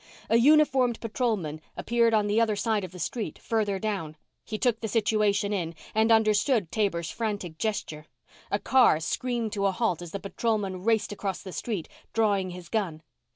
A uniformed patrolman appeared on the other side of the street, further down. He took the situation in and understood Taber's frantic gesture. A car screamed to a halt as the patrolman raced across the street, drawing his gun.